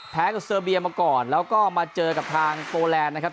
แพ้กับเซอร์เบียมาก่อนแล้วก็มาเจอกับทางโปแลนด์นะครับ